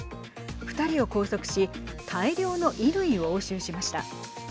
２人を拘束し大量の衣類を押収しました。